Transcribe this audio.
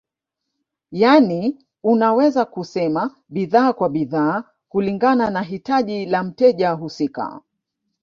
Yani unaweza kusema bidhaa kwa bidhaa kulingana na hitaji la mteja husika